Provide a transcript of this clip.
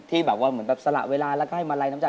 ที่แบบว่าสละเวลาแล้วก็ให้มาลัยน้ำใจ